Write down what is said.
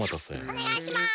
おねがいします。